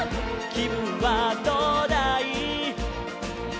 「きぶんはどうだい？」